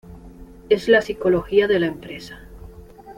Es la psicología de la empresa.